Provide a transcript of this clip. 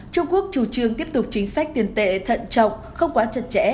trung quốc chủ trương tiếp tục chính sách tiền tệ thận trọng không quá chặt chẽ